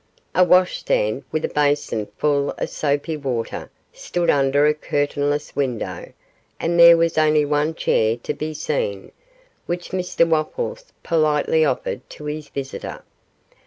A washstand, with a basin full of soapy water, stood under a curtainless window, and there was only one chair to be seen, which Mr Wopples politely offered to his visitor.